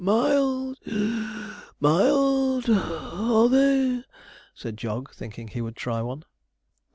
'Mild (wheeze), mild (puff), are they?' said Jog, thinking he would try one.